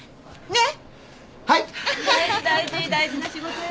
ねっ？